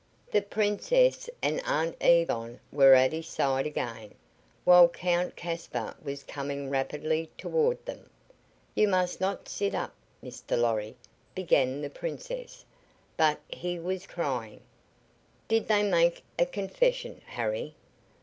The Princess and Aunt Yvonne were at his side again, while Count Caspar was coming rapidly toward them. "You must not sit up, Mr. Lorry," began the Princess, but he was crying: "Did they make a confession, Harry?"